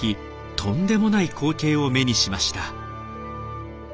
とんでもない光景を目にしました。